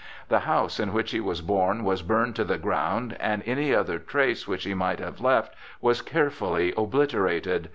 The house in which he was born was burned to the ground, and any other trace which he might have left was carefully obliterated.